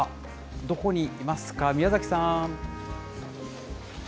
どこにいますか、宮崎さん。